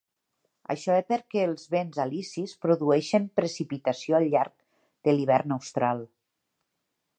Això és perquè els vents alisis produeixen precipitació al llarg de l'hivern austral.